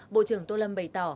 bộ trưởng tô lâm bày tỏ